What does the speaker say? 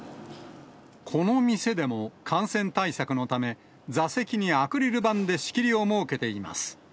この店でも、感染対策のため、座席にアクリル板で仕切りを設けています。